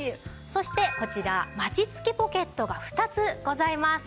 そしてこちらマチ付きポケットが２つございます。